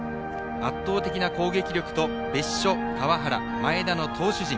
圧倒的な攻撃力と別所、川原、前田の投手陣。